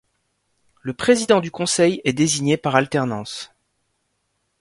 Le président du conseil est désigné par alternance.